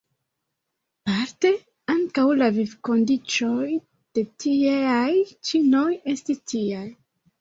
Parte ankaŭ la vivkondiĉoj de tieaj ĉinoj estis tiaj.